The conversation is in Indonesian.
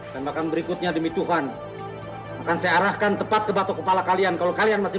tembakan berikutnya demi tuhan akan saya arahkan tepat ke batu kepala kalian kalau kalian masih